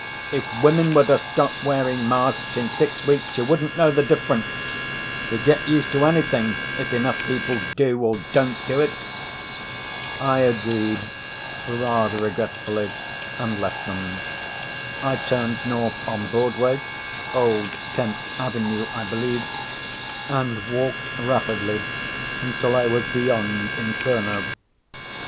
"If women were to stop wearing masks, in six weeks you wouldn't know the difference. You get used to anything, if enough people do or don't do it." I agreed, rather regretfully, and left them. I turned north on Broadway (old Tenth Avenue, I believe) and walked rapidly until I was beyond Inferno.